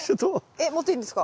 えっ持っていいんですか？